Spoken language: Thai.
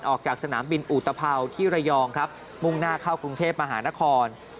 ออกจากสนามบินอุตภัวที่ระยองครับมุ่งหน้าเข้ากรุงเทพมหานคร